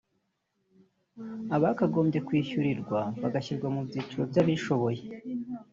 abakagombye kwishyurirwa bagashyirwa mu byiciro by’abishoboye